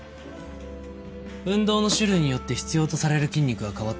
運動の種類によって必要とされる筋肉は変わってくる。